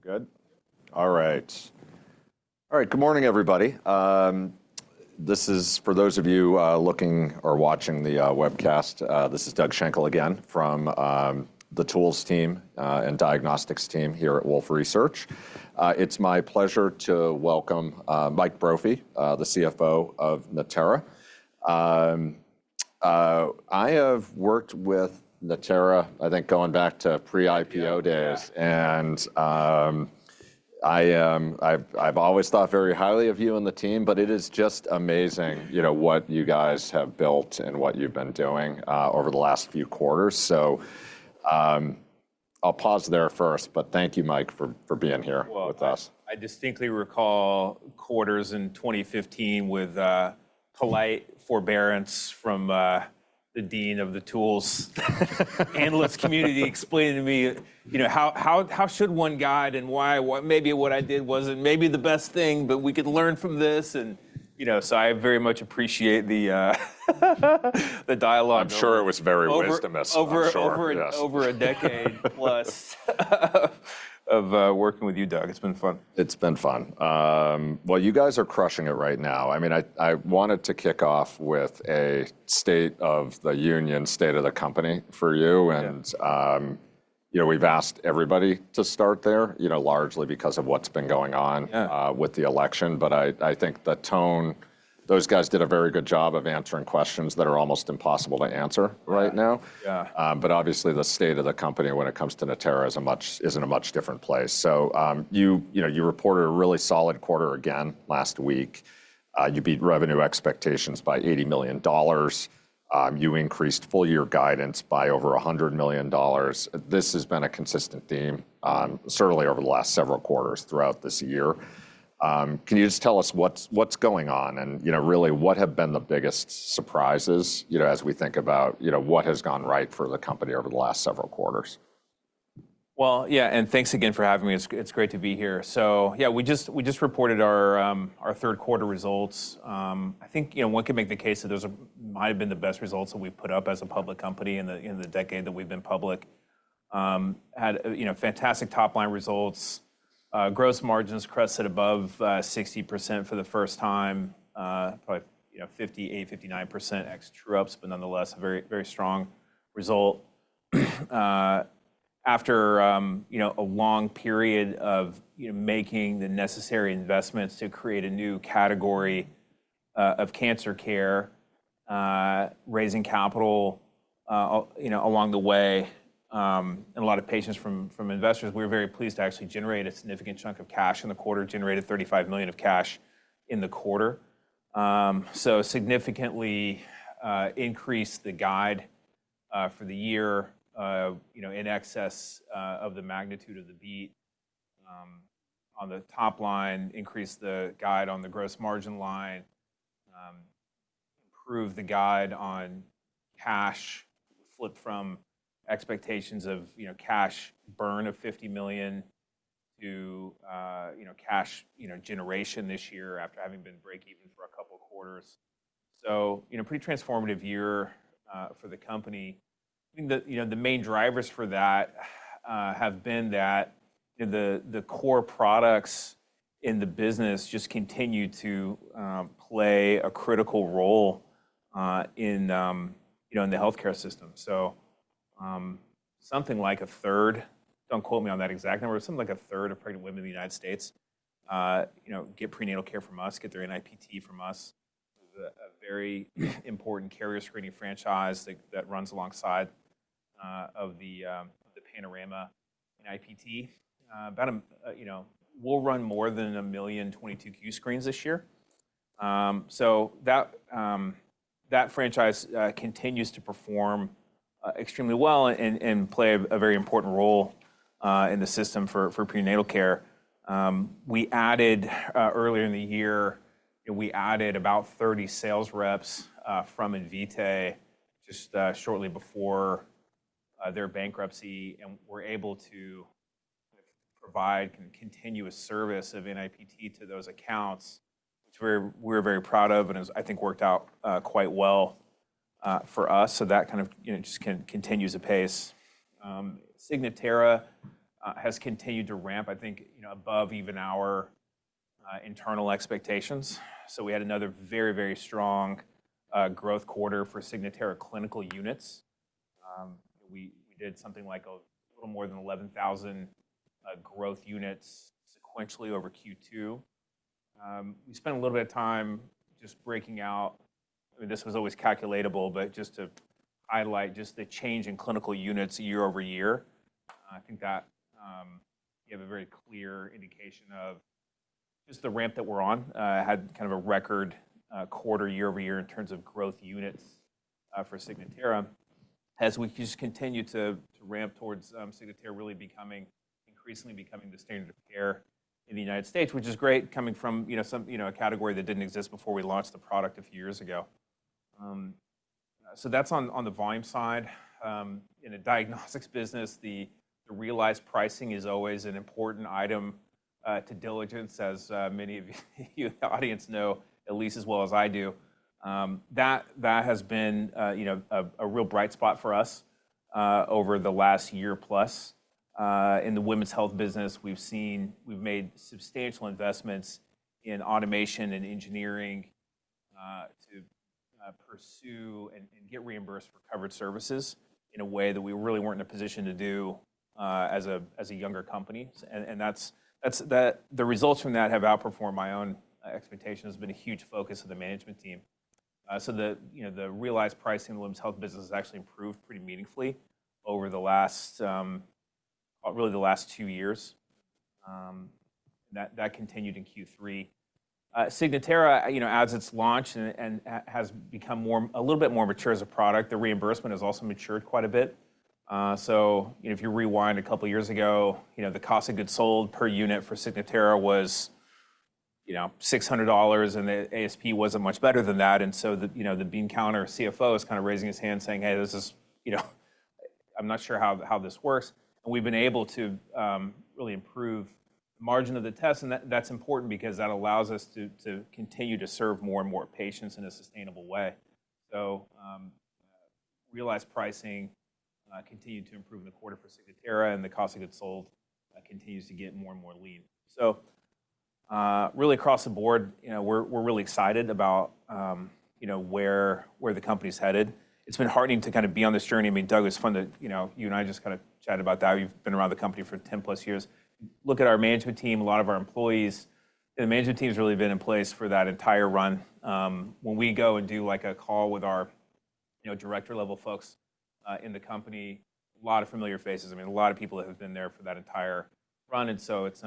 All right, we're good? All right. All right, good morning, everybody. This is, for those of you looking or watching the webcast, this is Doug Schenkel again from the tools team and diagnostics team here at Wolfe Research. It's my pleasure to welcome Mike Brophy, the CFO of Natera. I have worked with Natera, I think going back to pre-IPO days, and I've always thought very highly of you and the team, but it is just amazing what you guys have built and what you've been doing over the last few quarters. So I'll pause there first, but thank you, Mike, for being here with us. I distinctly recall quarters in 2015 with polite forbearance from the dean of the tools analyst community explaining to me how one should guide and why maybe what I did wasn't maybe the best thing, but we could learn from this, and so I very much appreciate the dialogue. I'm sure it was very optimistic. Over a decade plus of working with you, Doug, it's been fun. It's been fun. Well, you guys are crushing it right now. I mean, I wanted to kick off with a state of the union, state of the company for you. And we've asked everybody to start there, largely because of what's been going on with the election. But I think the tone, those guys did a very good job of answering questions that are almost impossible to answer right now. But obviously, the state of the company when it comes to Natera isn't a much different place. So you reported a really solid quarter again last week. You beat revenue expectations by $80 million. You increased full year guidance by over $100 million. This has been a consistent theme, certainly over the last several quarters throughout this year. Can you just tell us what's going on and really what have been the biggest surprises as we think about what has gone right for the company over the last several quarters? Well, yeah, and thanks again for having me. It's great to be here. So yeah, we just reported our third quarter results. I think one could make the case that those might have been the best results that we've put up as a public company in the decade that we've been public. Had fantastic top line results. Gross margins crested above 60% for the first time, probably 58%, 59% ex true-ups, but nonetheless, a very strong result. After a long period of making the necessary investments to create a new category of cancer care, raising capital along the way, and a lot of patience from investors, we were very pleased to actually generate a significant chunk of cash in the quarter, generated $35 million of cash in the quarter. So significantly increased the guide for the year in excess of the magnitude of the beat on the top line, increased the guide on the gross margin line, improved the guide on cash, flipped from expectations of cash burn of $50 million to cash generation this year after having been break-even for a couple of quarters. So pretty transformative year for the company. The main drivers for that have been that the core products in the business just continue to play a critical role in the healthcare system. So something like a third, don't quote me on that exact number, but something like a third of pregnant women in the United States get prenatal care from us, get their NIPT from us. It's a very important carrier screening franchise that runs alongside of the Panorama NIPT. We'll run more than a million 22q screens this year. That franchise continues to perform extremely well and play a very important role in the system for prenatal care. We added earlier in the year. We added about 30 sales reps from Invitae just shortly before their bankruptcy and were able to provide continuous service of NIPT to those accounts, which we're very proud of and I think worked out quite well for us. That kind of just continues the pace. Signatera has continued to ramp, I think, above even our internal expectations. We had another very, very strong growth quarter for Signatera clinical units. We did something like a little more than 11,000 growth units sequentially over Q2. We spent a little bit of time just breaking out, I mean, this was always calculatable, but just to highlight just the change in clinical units year over year. I think that you have a very clear indication of just the ramp that we're on. It had kind of a record quarter year over year in terms of growth units for Signatera. As we just continue to ramp towards Signatera really increasingly becoming the standard of care in the United States, which is great coming from a category that didn't exist before we launched the product a few years ago. So that's on the volume side. In a diagnostics business, the realized pricing is always an important item to diligence, as many of you in the audience know, at least as well as I do. That has been a real bright spot for us over the last year plus. In the women's health business, we've made substantial investments in automation and engineering to pursue and get reimbursed for covered services in a way that we really weren't in a position to do as a younger company, and the results from that have outperformed my own expectations. It's been a huge focus of the management team, so the realized pricing in the women's health business has actually improved pretty meaningfully over really the last two years. That continued in Q3. Signatera, as it's launched and has become a little bit more mature as a product, the reimbursement has also matured quite a bit, so if you rewind a couple of years ago, the cost of goods sold per unit for Signatera was $600, and the ASP wasn't much better than that. And so the bean counter CFO is kind of raising his hand saying, "Hey, I'm not sure how this works," and we've been able to really improve the margin of the test, and that's important because that allows us to continue to serve more and more patients in a sustainable way, so realized pricing continued to improve in the quarter for Signatera, and the cost of goods sold continues to get more and more lean, so really across the board, we're really excited about where the company's headed. It's been heartening to kind of be on this journey. I mean, Doug, it's fun that you and I just kind of chatted about that. You've been around the company for 10+ years. Look at our management team, a lot of our employees, and the management team has really been in place for that entire run. When we go and do a call with our director-level folks in the company, a lot of familiar faces. I mean, a lot of people that have been there for that entire run, and so it's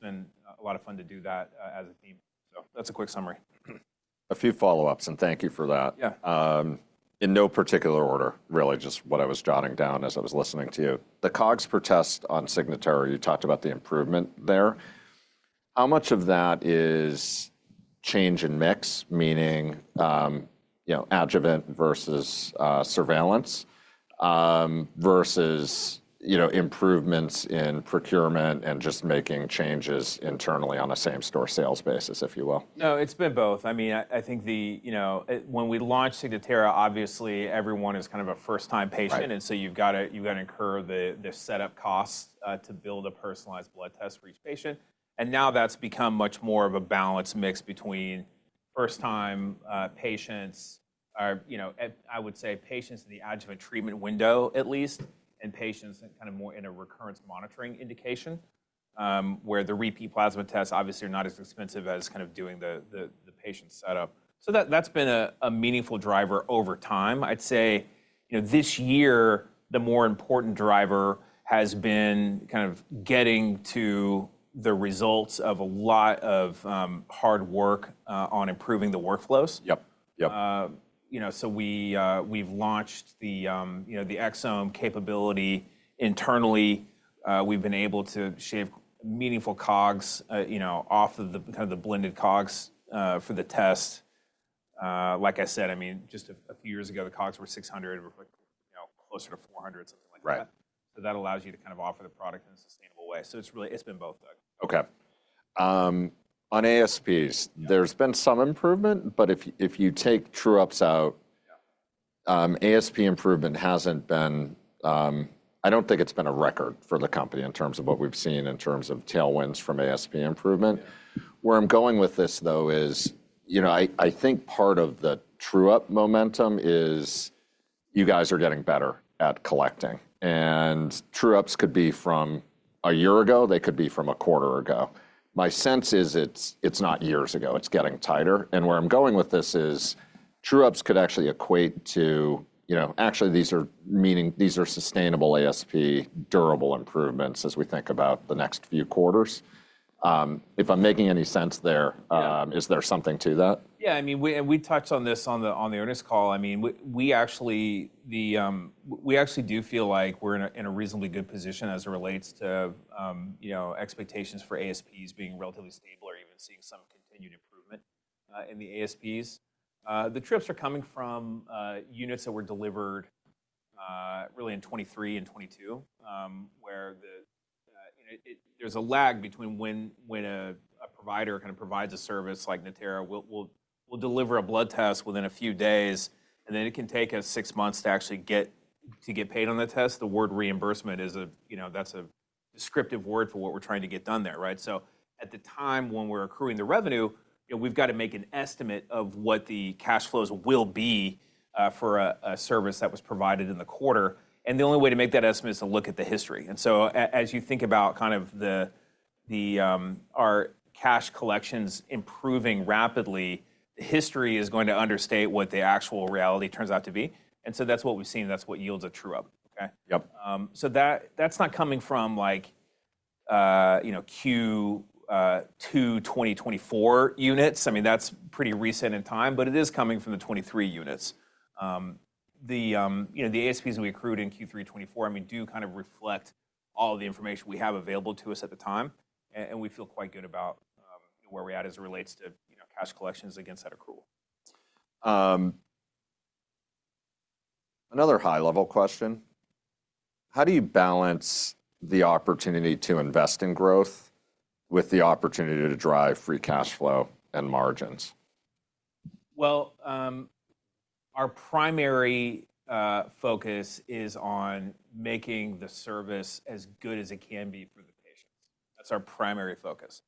been a lot of fun to do that as a team, so that's a quick summary. A few follow-ups, and thank you for that. In no particular order, really, just what I was jotting down as I was listening to you. The COGS progress on Signatera, you talked about the improvement there. How much of that is change in mix, meaning adjuvant versus surveillance versus improvements in procurement and just making changes internally on a same-store sales basis, if you will? No, it's been both. I mean, I think when we launched Signatera, obviously, everyone is kind of a first-time patient. And so you've got to incur the setup costs to build a personalized blood test for each patient. And now that's become much more of a balanced mix between first-time patients, I would say patients in the adjuvant treatment window at least, and patients kind of more in a recurrence monitoring indication, where the repeat plasma tests obviously are not as expensive as kind of doing the patient setup. So that's been a meaningful driver over time. I'd say this year, the more important driver has been kind of getting to the results of a lot of hard work on improving the workflows. Yep. Yep. So we've launched the exome capability internally. We've been able to shave meaningful COGS off of the kind of the blended COGS for the test. Like I said, I mean, just a few years ago, the COGS were $600, closer to $400, something like that. So that allows you to kind of offer the product in a sustainable way. So it's been both, Doug. Okay. On ASPs, there's been some improvement, but if you take true-ups out, ASP improvement hasn't been - I don't think it's been a record for the company in terms of what we've seen in terms of tailwinds from ASP improvement. Where I'm going with this, though, is I think part of the true-up momentum is you guys are getting better at collecting. And true-ups could be from a year ago. They could be from a quarter ago. My sense is it's not years ago. It's getting tighter. And where I'm going with this is true-ups could actually equate to - actually, these are meaning these are sustainable ASP durable improvements as we think about the next few quarters. If I'm making any sense there, is there something to that? Yeah. I mean, and we touched on this on the earnings call. I mean, we actually do feel like we're in a reasonably good position as it relates to expectations for ASPs being relatively stable or even seeing some continued improvement in the ASPs. The true-ups are coming from units that were delivered really in 2023 and 2022, where there's a lag between when a provider kind of provides a service like Natera will deliver a blood test within a few days, and then it can take us six months to actually get paid on that test. The word reimbursement, that's a descriptive word for what we're trying to get done there. Right? So at the time when we're accruing the revenue, we've got to make an estimate of what the cash flows will be for a service that was provided in the quarter. The only way to make that estimate is to look at the history. So as you think about kind of our cash collections improving rapidly, the history is going to understate what the actual reality turns out to be. So that's what we've seen. That's what yields a true-up. Okay? Yep. So that's not coming from Q2 2024 units. I mean, that's pretty recent in time, but it is coming from the 2023 units. The ASPs we accrued in Q3 2024, I mean, do kind of reflect all the information we have available to us at the time. And we feel quite good about where we're at as it relates to cash collections against that accrual. Another high-level question. How do you balance the opportunity to invest in growth with the opportunity to drive free cash flow and margins? Our primary focus is on making the service as good as it can be for the patients. That's our primary focus.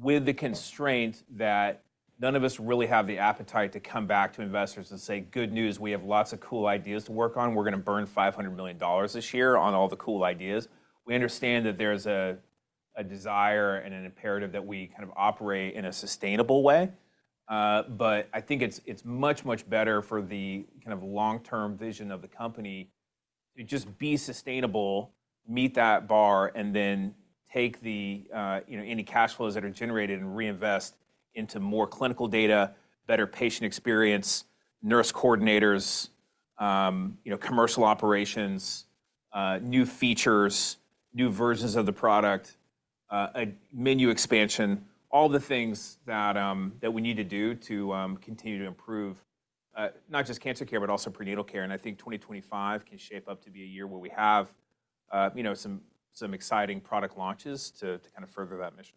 With the constraint that none of us really have the appetite to come back to investors and say, "Good news. We have lots of cool ideas to work on. We're going to burn $500 million this year on all the cool ideas." We understand that there's a desire and an imperative that we kind of operate in a sustainable way. But I think it's much, much better for the kind of long-term vision of the company to just be sustainable, meet that bar, and then take any cash flows that are generated and reinvest into more clinical data, better patient experience, nurse coordinators, commercial operations, new features, new versions of the product, a menu expansion, all the things that we need to do to continue to improve not just cancer care, but also prenatal care. And I think 2025 can shape up to be a year where we have some exciting product launches to kind of further that mission.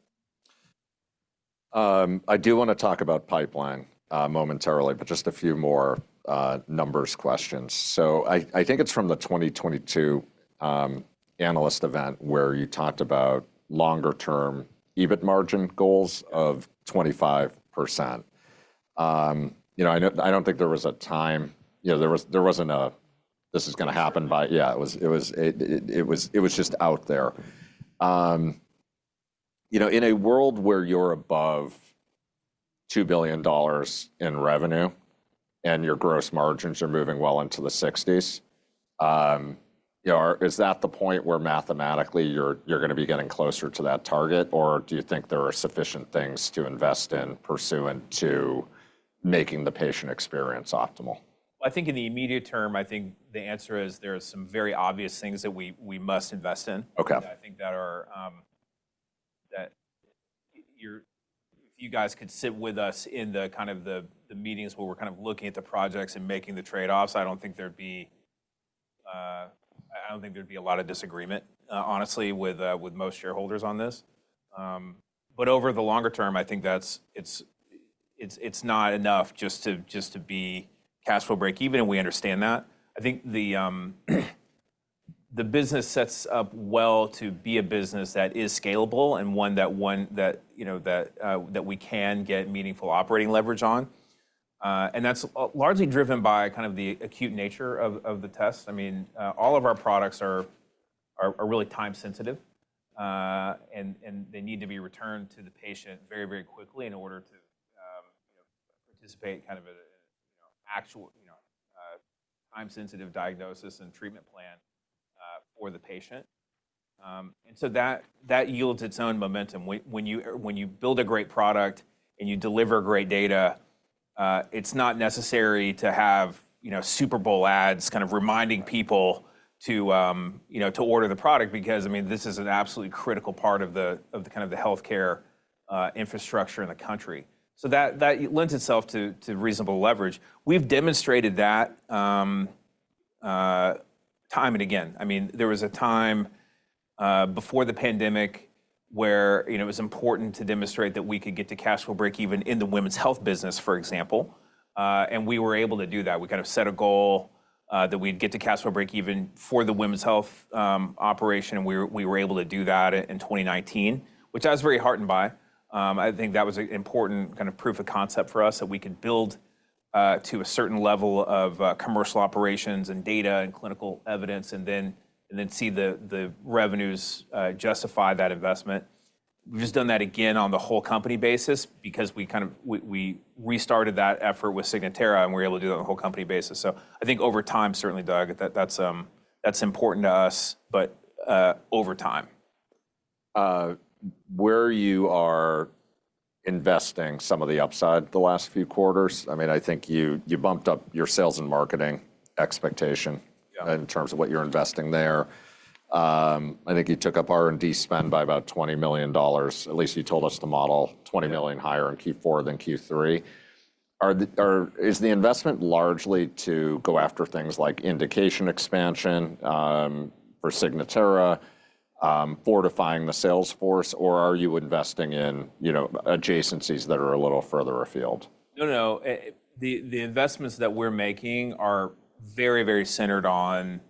I do want to talk about pipeline momentarily, but just a few more numbers questions. So I think it's from the 2022 analyst event where you talked about longer-term EBIT margin goals of 25%. I don't think there was a time there wasn't a, "This is going to happen by." Yeah, it was just out there. In a world where you're above $2 billion in revenue and your gross margins are moving well into the 60%, is that the point where mathematically you're going to be getting closer to that target, or do you think there are sufficient things to invest in pursuant to making the patient experience optimal? I think in the immediate term, I think the answer is there are some very obvious things that we must invest in. I think that if you guys could sit with us in kind of the meetings where we're kind of looking at the projects and making the trade-offs, I don't think there'd be a lot of disagreement, honestly, with most shareholders on this. But over the longer term, I think it's not enough just to be cash flow breakeven, even if we understand that. I think the business sets up well to be a business that is scalable and one that we can get meaningful operating leverage on. And that's largely driven by kind of the acute nature of the test. I mean, all of our products are really time-sensitive, and they need to be returned to the patient very, very quickly in order to participate in kind of an actual time-sensitive diagnosis and treatment plan for the patient. And so that yields its own momentum. When you build a great product and you deliver great data, it's not necessary to have Super Bowl ads kind of reminding people to order the product because, I mean, this is an absolutely critical part of kind of the healthcare infrastructure in the country. So that lends itself to reasonable leverage. We've demonstrated that time and again. I mean, there was a time before the pandemic where it was important to demonstrate that we could get to cash flow break-even in the women's health business, for example. And we were able to do that. We kind of set a goal that we'd get to cash flow break even for the women's health operation, and we were able to do that in 2019, which I was very heartened by. I think that was an important kind of proof of concept for us that we could build to a certain level of commercial operations and data and clinical evidence and then see the revenues justify that investment. We've just done that again on the whole company basis because we kind of restarted that effort with Signatera, and we were able to do it on the whole company basis, so I think over time, certainly, Doug, that's important to us, but over time. Where you are investing some of the upside the last few quarters, I mean, I think you bumped up your sales and marketing expectation in terms of what you're investing there. I think you took up R&D spend by about $20 million. At least you told us the model $20 million higher in Q4 than Q3. Is the investment largely to go after things like indication expansion for Signatera, fortifying the sales force, or are you investing in adjacencies that are a little further afield? No, no. The investments that we're making are very, very centered on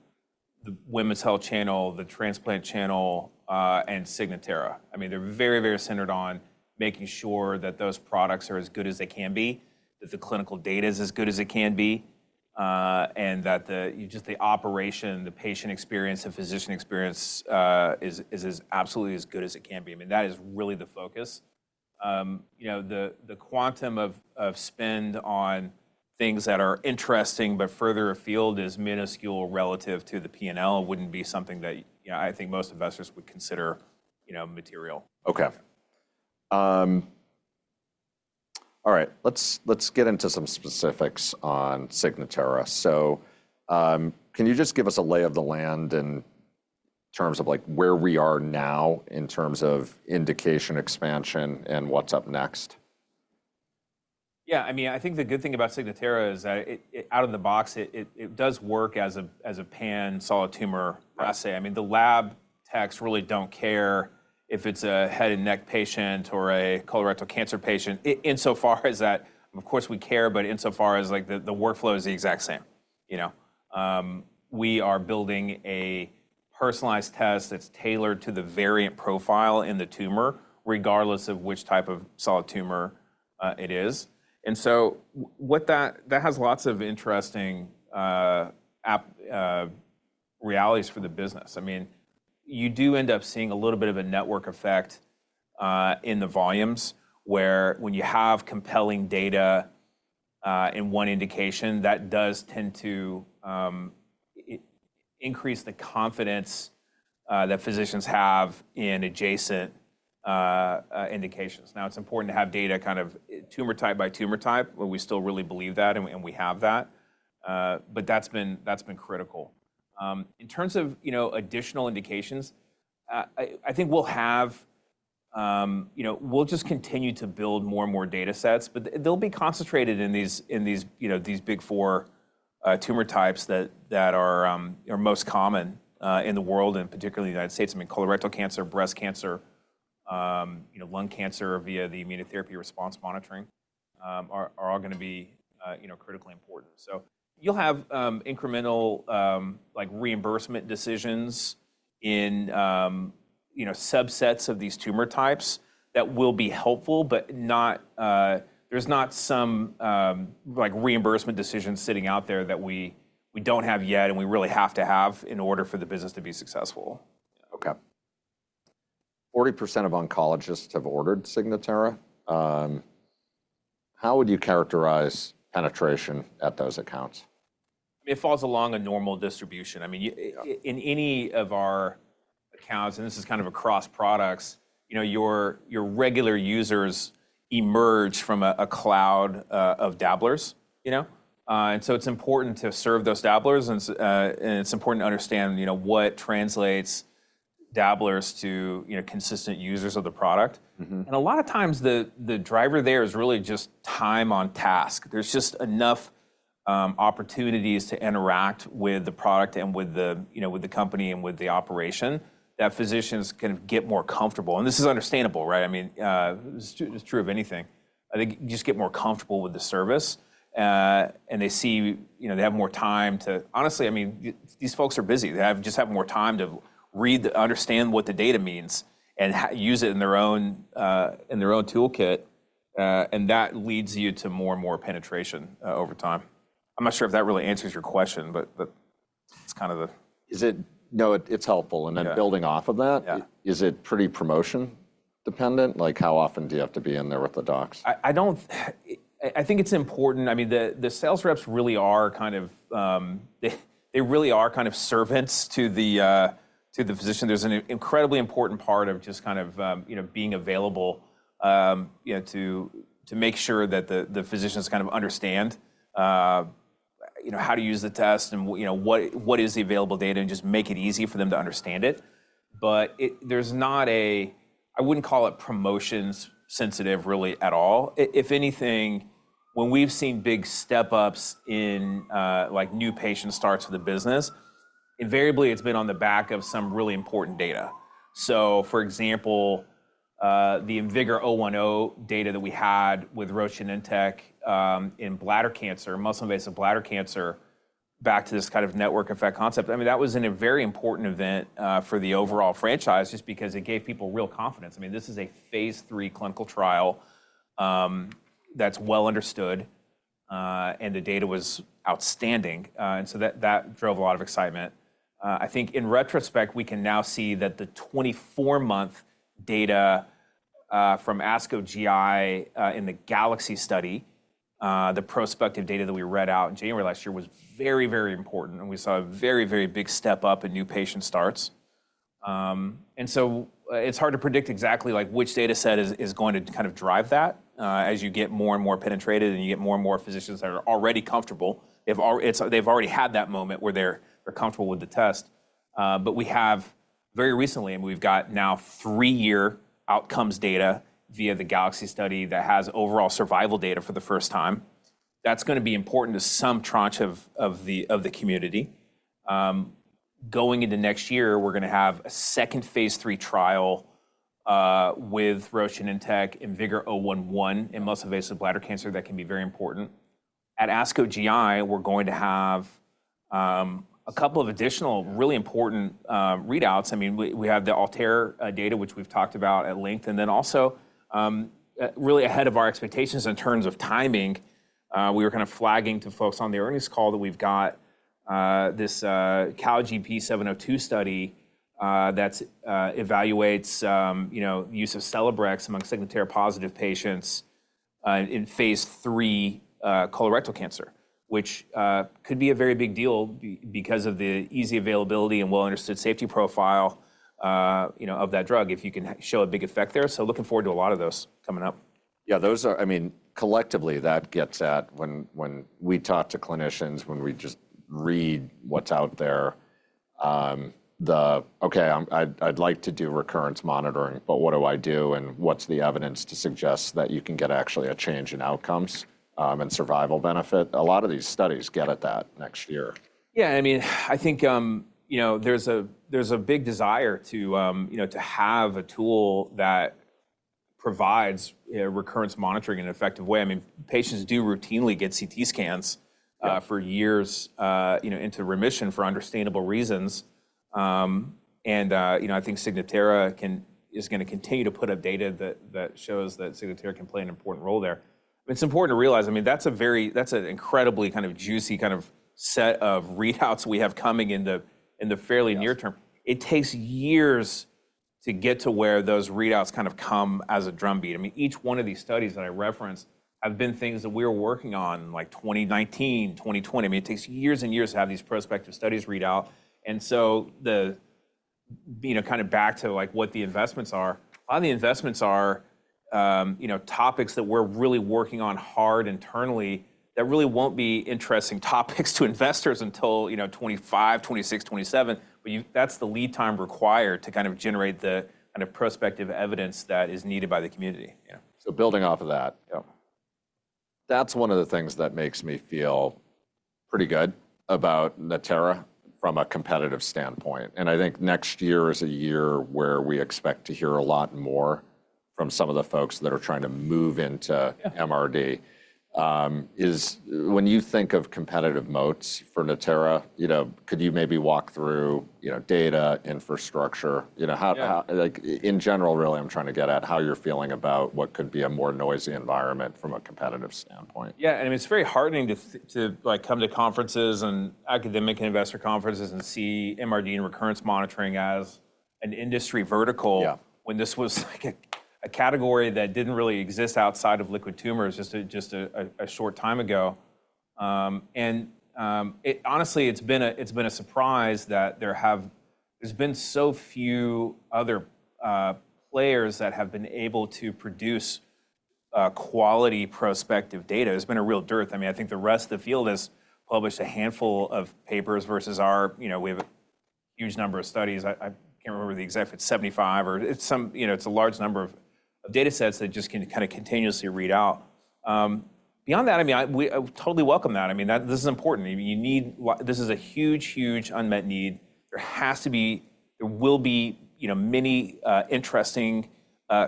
the women's health channel, the transplant channel, and Signatera. I mean, they're very, very centered on making sure that those products are as good as they can be, that the clinical data is as good as it can be, and that just the operation, the patient experience, and physician experience is absolutely as good as it can be. I mean, that is really the focus. The quantum of spend on things that are interesting but further afield is minuscule relative to the P&L and wouldn't be something that I think most investors would consider material. Okay. All right. Let's get into some specifics on Signatera. So can you just give us a lay of the land in terms of where we are now in terms of indication expansion and what's up next? Yeah. I mean, I think the good thing about Signatera is that out of the box, it does work as a pan solid tumor assay. I mean, the lab techs really don't care if it's a head and neck patient or a colorectal cancer patient insofar as that, of course, we care, but insofar as the workflow is the exact same. We are building a personalized test that's tailored to the variant profile in the tumor, regardless of which type of solid tumor it is. And so that has lots of interesting realities for the business. I mean, you do end up seeing a little bit of a network effect in the volumes where when you have compelling data in one indication, that does tend to increase the confidence that physicians have in adjacent indications. Now, it's important to have data kind of tumor type by tumor type, but we still really believe that, and we have that. But that's been critical. In terms of additional indications, I think we'll just continue to build more and more data sets, but they'll be concentrated in these big four tumor types that are most common in the world and particularly in the United States. I mean, colorectal cancer, breast cancer, lung cancer via the immunotherapy response monitoring are all going to be critically important. So you'll have incremental reimbursement decisions in subsets of these tumor types that will be helpful, but there's not some reimbursement decision sitting out there that we don't have yet and we really have to have in order for the business to be successful. Okay. 40% of oncologists have ordered Signatera. How would you characterize penetration at those accounts? I mean, it falls along a normal distribution. I mean, in any of our accounts, and this is kind of across products, your regular users emerge from a cloud of dabblers. And so it's important to serve those dabblers, and it's important to understand what translates dabblers to consistent users of the product. And a lot of times, the driver there is really just time on task. There's just enough opportunities to interact with the product and with the company and with the operation that physicians kind of get more comfortable. And this is understandable, right? I mean, it's true of anything. I think you just get more comfortable with the service, and they have more time to honestly, I mean, these folks are busy. They just have more time to read, understand what the data means, and use it in their own toolkit. And that leads you to more and more penetration over time. I'm not sure if that really answers your question, but it's kind of the. No, it's helpful. And then building off of that, is it pretty promotion-dependent? How often do you have to be in there with the docs? I think it's important. I mean, the sales reps really are kind of servants to the physician. There's an incredibly important part of just kind of being available to make sure that the physicians kind of understand how to use the test and what is the available data and just make it easy for them to understand it. But there's not a, I wouldn't call it promotion-sensitive really at all. If anything, when we've seen big step-ups in new patient starts of the business, invariably, it's been on the back of some really important data. So, for example, the IMvigor010 data that we had with Roche Genentech in bladder cancer, muscle-invasive bladder cancer, back to this kind of network effect concept. I mean, that was in a very important event for the overall franchise just because it gave people real confidence. I mean, this is a phase three clinical trial that's well understood, and the data was outstanding, and so that drove a lot of excitement. I think in retrospect, we can now see that the 24-month data from ASCO GI in the GALAXY study, the prospective data that we read out in January last year was very, very important, and we saw a very, very big step-up in new patient starts, and so it's hard to predict exactly which data set is going to kind of drive that as you get more and more penetrated and you get more and more physicians that are already comfortable. They've already had that moment where they're comfortable with the test, but we have very recently, and we've got now three-year outcomes data via the GALAXY study that has overall survival data for the first time. That's going to be important to some tranche of the community. Going into next year, we're going to have a second phase three trial with Roche Genentech, IMvigor011 in muscle-invasive bladder cancer that can be very important. At ASCO GI, we're going to have a couple of additional really important readouts. I mean, we have the ALTAIR data, which we've talked about at length. And then also, really ahead of our expectations in terms of timing, we were kind of flagging to folks on the earnings call that we've got this CALGB 80702 study that evaluates use of Celebrex among Signatera-positive patients in phase three colorectal cancer, which could be a very big deal because of the easy availability and well-understood safety profile of that drug if you can show a big effect there. So looking forward to a lot of those coming up. Yeah, I mean, collectively, that gets at when we talk to clinicians, when we just read what's out there, "Okay, I'd like to do recurrence monitoring, but what do I do? And what's the evidence to suggest that you can get actually a change in outcomes and survival benefit?" A lot of these studies get at that next year. Yeah. I mean, I think there's a big desire to have a tool that provides recurrence monitoring in an effective way. I mean, patients do routinely get CT scans for years into remission for understandable reasons. And I think Signatera is going to continue to put up data that shows that Signatera can play an important role there. It's important to realize, I mean, that's an incredibly kind of juicy kind of set of readouts we have coming in the fairly near term. It takes years to get to where those readouts kind of come as a drumbeat. I mean, each one of these studies that I referenced have been things that we were working on in 2019, 2020. I mean, it takes years and years to have these prospective studies read out. And so kind of back to what the investments are, a lot of the investments are topics that we're really working on hard internally that really won't be interesting topics to investors until 2025, 2026, 2027. But that's the lead time required to kind of generate the kind of prospective evidence that is needed by the community. So building off of that, that's one of the things that makes me feel pretty good about Natera from a competitive standpoint. And I think next year is a year where we expect to hear a lot more from some of the folks that are trying to move into MRD. When you think of competitive moats for Natera, could you maybe walk through data infrastructure? In general, really, I'm trying to get at how you're feeling about what could be a more noisy environment from a competitive standpoint. Yeah. I mean, it's very heartening to come to conferences and academic investor conferences and see MRD and recurrence monitoring as an industry vertical when this was a category that didn't really exist outside of liquid tumors just a short time ago. And honestly, it's been a surprise that there have been so few other players that have been able to produce quality prospective data. It's been a real dearth. I mean, I think the rest of the field has published a handful of papers versus our we have a huge number of studies. I can't remember the exact number, but it's 75 or it's a large number of data sets that just can kind of continuously read out. Beyond that, I mean, I totally welcome that. I mean, this is important. This is a huge, huge unmet need. There has to be, there will be many interesting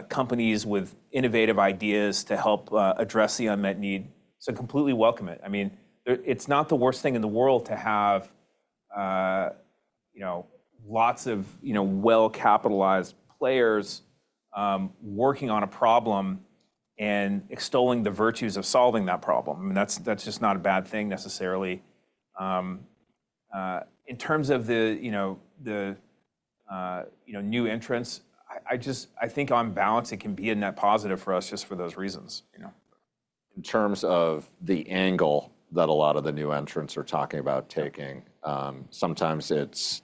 companies with innovative ideas to help address the unmet need. So completely welcome it. I mean, it's not the worst thing in the world to have lots of well-capitalized players working on a problem and extolling the virtues of solving that problem. I mean, that's just not a bad thing necessarily. In terms of the new entrants, I think on balance, it can be a net positive for us just for those reasons. In terms of the angle that a lot of the new entrants are talking about taking, sometimes it's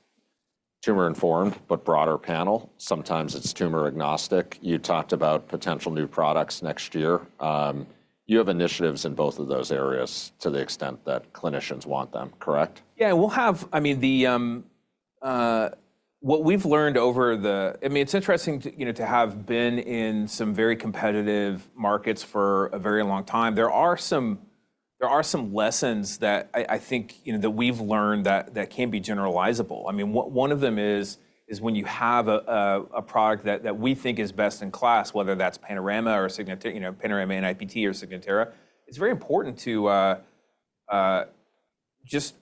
tumor-informed, but broader panel. Sometimes it's tumor-agnostic. You talked about potential new products next year. You have initiatives in both of those areas to the extent that clinicians want them, correct? Yeah. I mean, what we've learned over the years, I mean, it's interesting to have been in some very competitive markets for a very long time. There are some lessons that I think that we've learned that can be generalizable. I mean, one of them is when you have a product that we think is best in class, whether that's Panorama or Panorama NIPT or Signatera, it's very important to just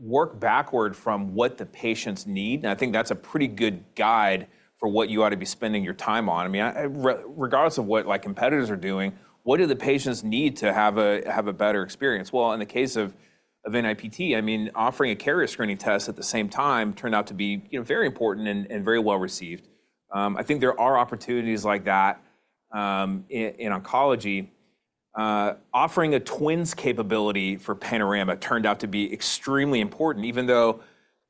work backward from what the patients need. And I think that's a pretty good guide for what you ought to be spending your time on. I mean, regardless of what competitors are doing, what do the patients need to have a better experience? Well, in the case of NIPT, I mean, offering a carrier screening test at the same time turned out to be very important and very well received. I think there are opportunities like that in oncology. Offering a twins capability for Panorama turned out to be extremely important, even though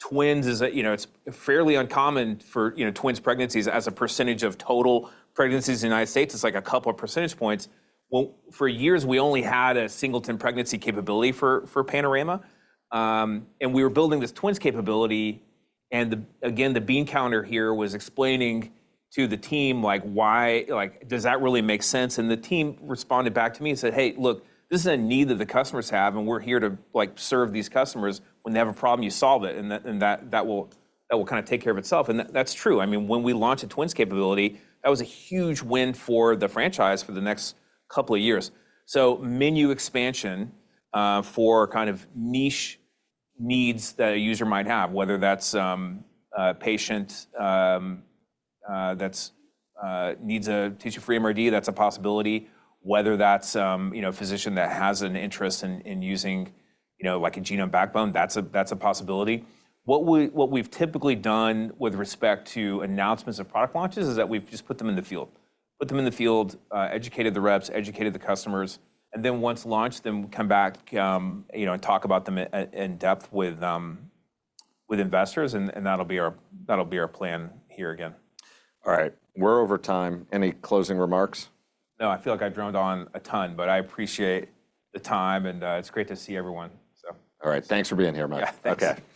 twins is, it's fairly uncommon for twin pregnancies as a percentage of total pregnancies in the United States. It's like a couple of percentage points. For years, we only had a singleton pregnancy capability for Panorama, and we were building this twins capability. Again, the bean counter here was explaining to the team, like, "Why does that really make sense?" The team responded back to me and said, "Hey, look, this is a need that the customers have, and we're here to serve these customers. When they have a problem, you solve it, and that will kind of take care of itself." That's true. I mean, when we launched a twins capability, that was a huge win for the franchise for the next couple of years. So menu expansion for kind of niche needs that a user might have, whether that's a patient that needs a tissue-free MRD, that's a possibility. Whether that's a physician that has an interest in using a genome backbone, that's a possibility. What we've typically done with respect to announcements of product launches is that we've just put them in the field, put them in the field, educated the reps, educated the customers, and then once launched, then come back and talk about them in depth with investors. And that'll be our plan here again. All right. We're over time. Any closing remarks? No, I feel like I've droned on a ton, but I appreciate the time, and it's great to see everyone. All right. Thanks for being here, Mike. Thanks.